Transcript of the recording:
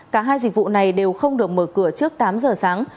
cả hai dịch vụ này đều không được mở cửa trước tám giờ sáng